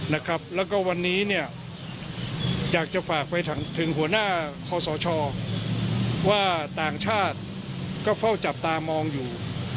แล้วก็วันนี้เนี่ยอยากจะฝากไปถึงหัวหน้าคอสชว่าต่างชาติก็เฝ้าจับตามองอยู่